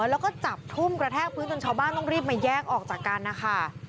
แล้วก็จับทุ่มกระแทกพื้นจนชาวบ้านต้องรีบมาแยกออกจากกันนะคะ